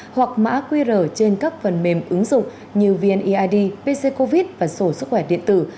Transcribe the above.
hoặc mã qr trên các phần mềm ứng dụng như vneid pc covid và sổ sức khỏe điện tử